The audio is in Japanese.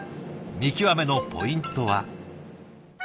見極めのポイントは？